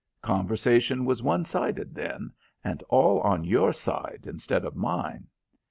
Conversation was one sided then, and all on your side instead of mine.